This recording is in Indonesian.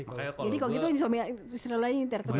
jadi kalau gitu istrinya lo nyetir terus